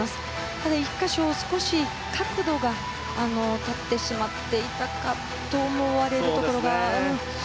ただ１か所、少し角度が立ってしまっていたかと思われるところがあったんですが。